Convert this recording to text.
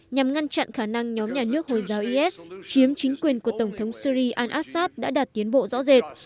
nhằm ngăn chặn khả năng nhóm nhà nước hồi giáo is chiếm chính quyền của tổng thống syri al assad đã đạt tiến bộ rõ rệt